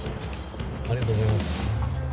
ありがとうございます。